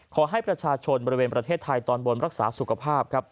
ขอให้ประชาชนบริเวณประเทศไทยตอนบนรักษาสุขภาพครับ